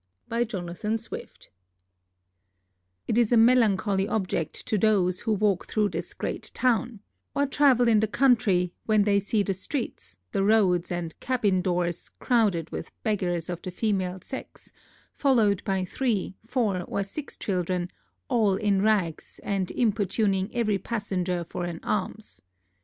by Dr. Jonathan Swift 1729 It is a melancholy object to those, who walk through this great town, or travel in the country, when they see the streets, the roads, and cabbin doors crowded with beggars of the female sex, followed by three, four, or six children, all in rags, and importuning every passenger for an alms.